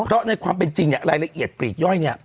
เพราะในความเป็นจริงเนี่ยรายละเอียดปลีกย่อยเนี่ย